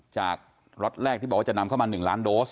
ล็อตแรกที่บอกว่าจะนำเข้ามา๑ล้านโดส